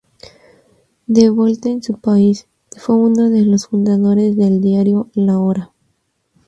De vuelta en su país, fue uno de los fundadores del diario "La Hora".